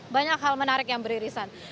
banyak hal menarik yang beririsan